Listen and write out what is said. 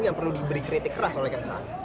yang perlu diberi kritik keras oleh kang saan